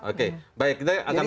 oke baik kita akan